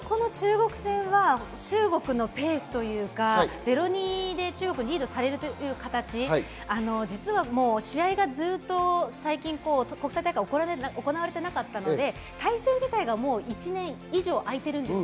前半は中国のペースというか、０対２で中国にリードされる形、試合がずっと最近、国際大会行われてなかったので対戦自体が１年以上あいています。